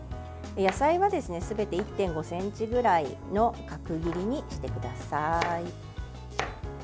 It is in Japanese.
野菜はすべて１．５ｃｍぐらいの角切りにしてください。